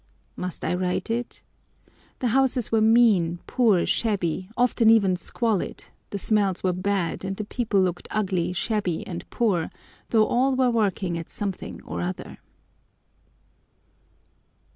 Must I write it? The houses were mean, poor, shabby, often even squalid, the smells were bad, and the people looked ugly, shabby, and poor, though all were working at something or other.